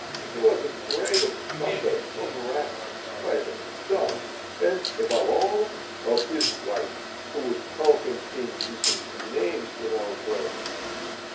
He was afraid of thunder, of rats, spiders, dogs, and, above all, of his wife, who would call him indecent names in our presence.